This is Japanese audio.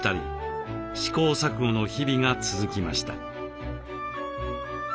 試行錯誤の日々が続きました。